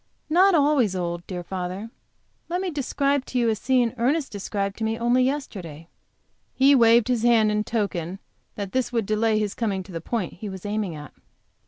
"Not always old, dear father. Let me describe to you a scene Ernest described to me only yesterday." He waved his hand in token that this would delay his coming to the point he was aiming at.